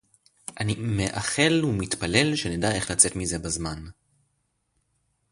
אני מאחל ומתפלל שנדע איך לצאת מזה בזמן